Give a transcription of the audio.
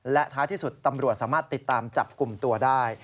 และท้ายที่สุดตำรวจสามารถติดตามจับกลุ่มตัวได้